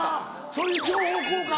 そういう情報交換を。